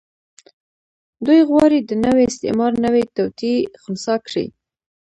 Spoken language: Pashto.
دوی غواړي د نوي استعمار نوې توطيې خنثی کړي.